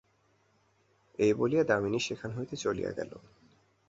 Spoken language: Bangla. এই বলিয়া দামিনী সেখান হইতে চলিয়া গেল।